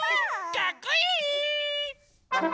かっこいい！